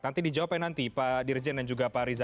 nanti dijawabkan nanti pak dirjen dan juga pak riza